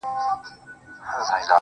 زه د ښار ښايستې لكه كمر تر ملا تړلى يم.